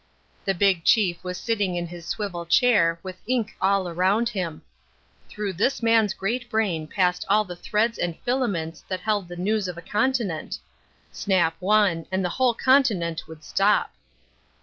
The big chief was sitting in his swivel chair with ink all round him. Through this man's great brain passed all the threads and filaments that held the news of a continent. Snap one, and the whole continent would stop.